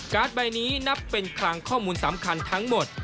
ใบนี้นับเป็นคลังข้อมูลสำคัญทั้งหมด